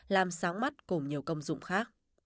làm sáng mắt cùng nhiều công dụng khác